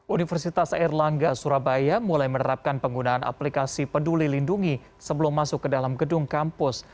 universitas airlangga surabaya mulai menerapkan penggunaan aplikasi peduli lindungi sebelum masuk ke dalam gedung kampus